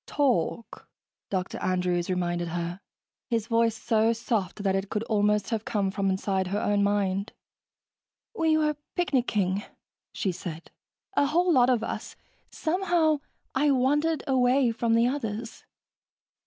"Talk," Dr. Andrews reminded her, his voice so soft that it could almost have come from inside her own mind. "We were picnicking," she said. "A whole lot of us. Somehow, I wandered away from the others...."